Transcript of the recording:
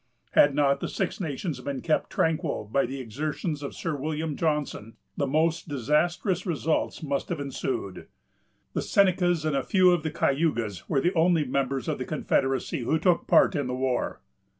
Had not the Six Nations been kept tranquil by the exertions of Sir William Johnson, the most disastrous results must have ensued. The Senecas and a few of the Cayugas were the only members of the confederacy who took part in the war.